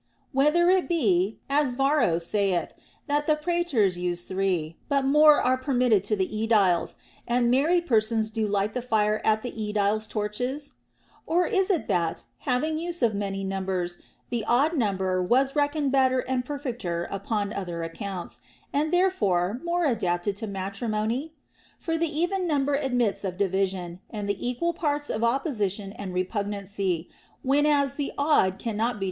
Whether it be (as Varro saith) that the Praetors use three, but more are permitted to the Aediles, and married persons do light the fire at the Aediles' torches % Or is it that, having use of many numbers, the odd number was reckoned better and perfecter upon other accounts, and therefore more adapted to matrimony ? For the even number admits of division, and the equal parts of opposition and repugnancy, whenas the odd cannot be THE ROMAN QUESTIONS.